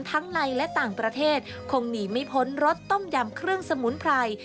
ในและต่างประเทศคงหนีไม่พ้นรสต้มยำเครื่องสมุนไพร